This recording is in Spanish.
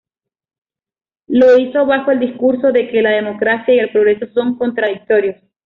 Lo hizo bajo el discurso de que "la democracia y el progreso son contradictorios.